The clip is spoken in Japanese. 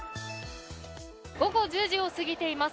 午後１０時を過ぎています。